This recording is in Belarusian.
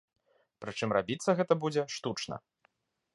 Прычым рабіцца гэта будзе штучна.